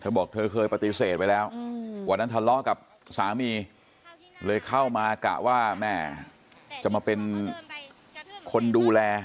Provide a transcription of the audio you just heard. บอกเธอเคยปฏิเสธไว้แล้ววันนั้นทะเลาะกับสามีเลยเข้ามากะว่าแม่จะมาเป็นคนดูแล